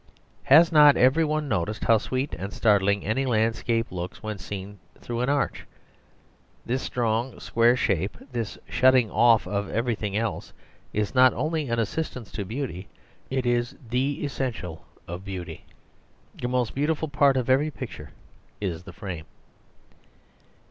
Has not every one noticed how sweet and startling any landscape looks when seen through an arch? This strong, square shape, this shutting off of everything else is not only an assistance to beauty; it is the essential of beauty. The most beautiful part of every picture is the frame.